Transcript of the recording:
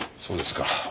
そうですか。